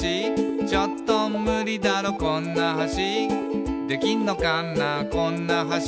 「ちょっとムリだろこんな橋」「できんのかなこんな橋」